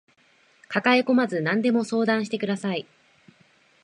抱えこまず何でも相談してください